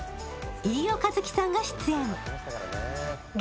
飯尾和樹さんが出演。